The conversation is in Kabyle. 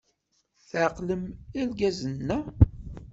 Tɛeqlem irgazen-a?